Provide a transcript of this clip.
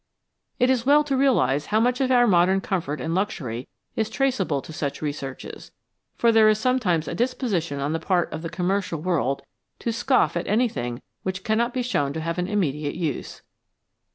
It is well to realise how much of our modern comfort and luxury is traceable to such researches, for there is sometimes a disposition on the part of the com mercial world to scoff at anything which cannot be shown to have an immediate use.